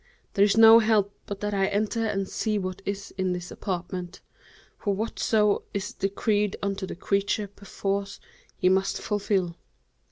There is no help but that I enter and see what is in this apartment; for whatso is decreed unto the creature perforce he must fulfil.'